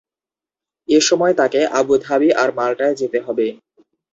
এ সময় তাঁকে আবুধাবি আর মাল্টায় যেতে হবে।